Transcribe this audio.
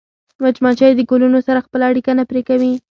مچمچۍ د ګلونو سره خپله اړیکه نه پرې کوي